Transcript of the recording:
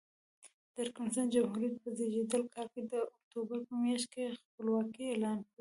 د ترکمنستان جمهوریت په زېږدیز کال د اکتوبر په میاشت کې خپلواکي اعلان کړه.